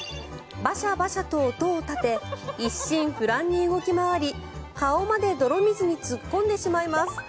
バシャバシャと音を立て一心不乱に動き回り顔まで泥水に突っ込んでしまいます。